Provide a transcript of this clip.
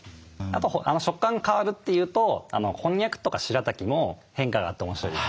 あと食感が変わるっていうとこんにゃくとかしらたきも変化があって面白いですね。